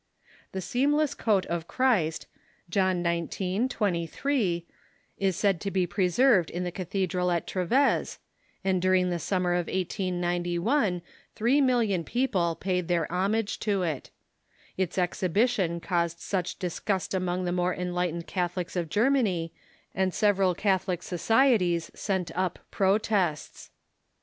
The seamless coat of Christ (John xix. 23) is said to be pre served in the cathedral at Treves, and during the summer of 1891 three million people paid their homage to «o,™!oe^ r » it. Its exhibition caused much disgust among the Seamless Coat ^° more enlightened Catholics of Germany, and sev eral Catholic societies sent up protests.